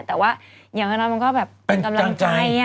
แต่ว่าอย่างนั้นมันก็แบบกำลังไป